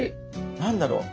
何だろう。